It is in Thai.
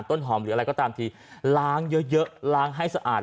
ต้นหอมหรืออะไรก็ตามทีล้างเยอะเยอะล้างให้สะอาด